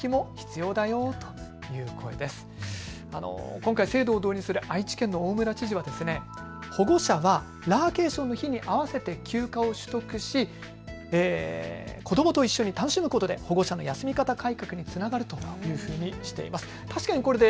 今回制度を導入する愛知県の大村知事は保護者はラーケーションの日にあわせて休暇を取得し子どもと一緒に楽しむことで保護者の休み方改革につながるというふうにしています。